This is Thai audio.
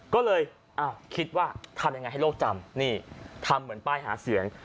ก็เลยคิดว่าทำยังไงให้โลกจำนี่ทำเหมือนป้ายหาเสียง